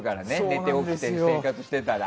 寝て起きて生活してたら。